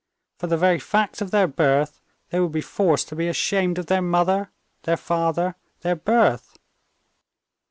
For the very fact of their birth they will be forced to be ashamed of their mother, their father, their birth."